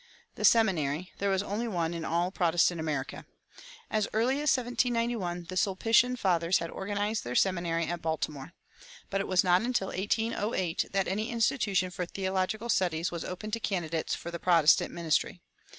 The seminary there was only one in all Protestant America. As early as 1791 the Sulpitian fathers had organized their seminary at Baltimore. But it was not until 1808 that any institution for theological studies was open to candidates for the Protestant ministry.